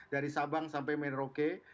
dari sabang sampai menroke